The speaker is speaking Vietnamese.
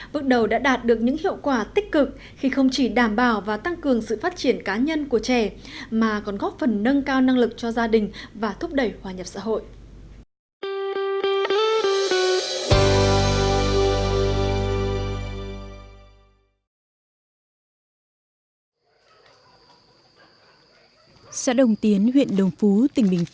bước đầu đã đạt được những hiệu quả tích cực khi không chỉ đảm bảo và tăng cường sự phát triển cá nhân của trẻ mà còn góp phần nâng cao năng lực cho gia đình và thúc đẩy hòa nhập xã hội